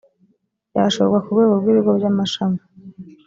yashorwa ku rwego rw’ibigo by’amashami